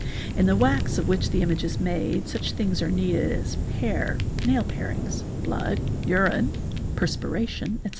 In the wax of which the image is made such things are needed as hair, nail pairings, blood, urine, perspiration, etc.